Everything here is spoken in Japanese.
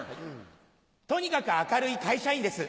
とにかく明るい会社員です。